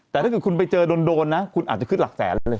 แต่ถ้าเกิดคุณไปเจอโดนนะคุณอาจจะขึ้นหลักแสนแล้วเลย